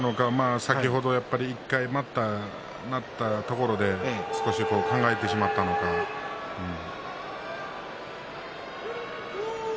先ほど、１回待ったところで少し考えてしまったのかもしれません。